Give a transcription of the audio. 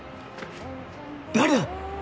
誰だ！